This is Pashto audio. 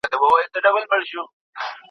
روژه نیول د انسان اراده قوي کوي.